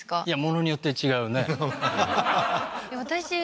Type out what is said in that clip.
いやものによって違うねえ？